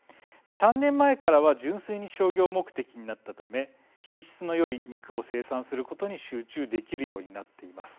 ３年前からは純粋に商業目的になったため品質のよい肉を生産することに集中できるようになっています。